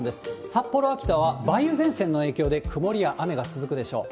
札幌、あきたは梅雨前線の影響で、曇りや雨が続くでしょう。